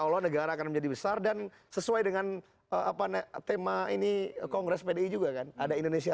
allah negara akan menjadi besar dan sesuai dengan apa tema ini kongres pdi juga kan ada indonesia